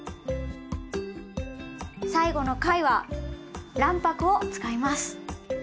最後の回は卵白を使います。